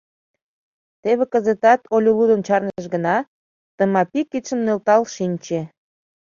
Теве кызытат Олю лудын чарныш гына — Тымапи кидшым нӧлтал шинче.